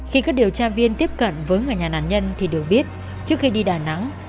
khi các điều tra viên tiếp cận với người nhà nạn nhân thì được biết trước khi đi đà nẵng